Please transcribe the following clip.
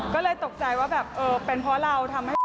ก็เลยตกใจว่าแบบเออเป็นเพราะเราทำให้